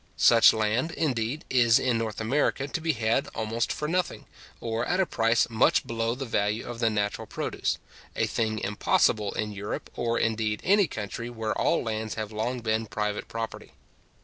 Such land, indeed, is in North America to be had almost for nothing, or at a price much below the value of the natural produce; a thing impossible in Europe, or indeed in any country where all lands have long been private property.